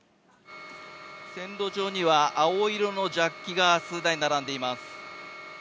線路上には青色のジャッキが数台並んでいます。